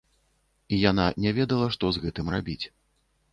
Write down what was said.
І яна не ведала, што з гэтым рабіць.